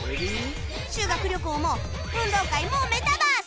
修学旅行も運動会もメタバース